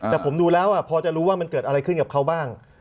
แต่ผมดูแล้วพอจะรู้ว่ามันเกิดอะไรขึ้นกับเขาบ้าง